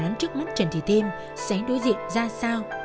bạn nán trước mắt trần thị thiên sẽ đối diện ra sao